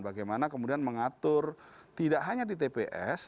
bagaimana kemudian mengatur tidak hanya di tps